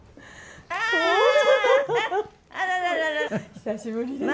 久しぶりですね。